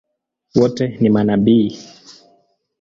Wote ni manabii?